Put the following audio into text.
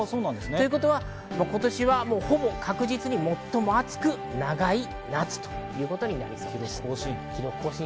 ということは、今年はほぼ確実に最も暑く長い夏ということになりそうです。